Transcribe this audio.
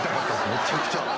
めちゃくちゃ。